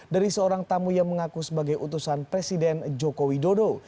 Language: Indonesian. dari seorang tamu yang mengaku sebagai utusan presiden joko widodo